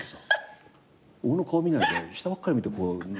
俺の顔見ないで下ばっかり見て。